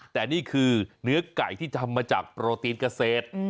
แต่นี่คือเนื้อไก่ที่ทำมาจากโปรตีนเกษตร